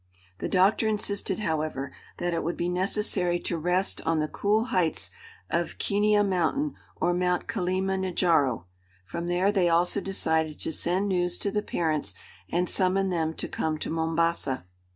The doctor insisted, however, that it would be necessary to rest on the cool heights of Kenia Mountain or Mount Kilima Njaro. From there they also decided to send news to the parents and summon them to come to Mombasa.